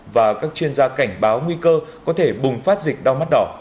và các chuyên gia cảnh báo nguy cơ có thể bùng phát dịch đau mắt đỏ